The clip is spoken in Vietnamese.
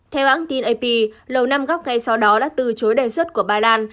theo áng tin ap lầu năm góc ngay sau đó đã từ chối đề xuất của bà lan